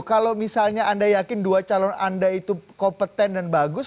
kalau misalnya anda yakin dua calon anda itu kompeten dan bagus